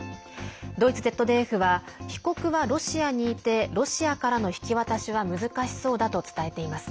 ドイツＺＤＦは被告はロシアにいてロシアからの引き渡しは難しそうだと伝えています。